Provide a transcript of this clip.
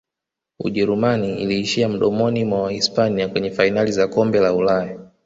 ujerumani iliishia mdomoni mwa wahispania kwenye fainali za kombe la ulaya